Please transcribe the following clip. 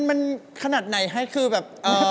มันขนาดไหนให้คือแบบ